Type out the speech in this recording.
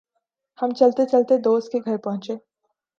ہم چلتے چلتے دوست کے گھر پہنچے ۔